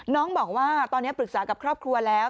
น้องบอกว่าตอนนี้ปรึกษากับครอบครัวแล้ว